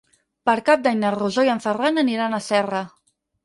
Per Cap d'Any na Rosó i en Ferran aniran a Serra.